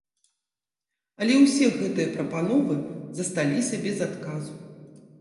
Але ўсе гэтыя прапановы засталіся без адказу.